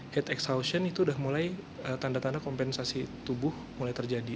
gate exhaustion itu sudah mulai tanda tanda kompensasi tubuh mulai terjadi